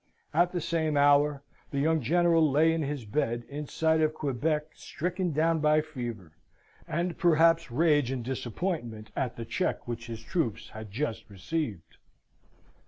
At the same hour, the young General lay in his bed, in sight of Quebec, stricken down by fever, and perhaps rage and disappointment at the check which his troops had just received.